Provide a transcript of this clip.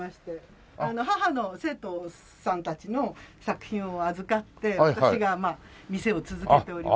母の生徒さんたちの作品を預かって私が店を続けております。